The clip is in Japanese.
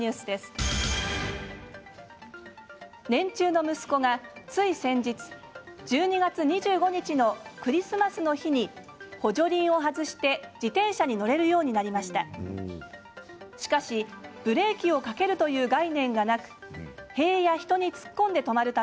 年中の息子がつい先日１２月２５日のクリスマスの日に補助輪を外して自転車に乗れるようになりました。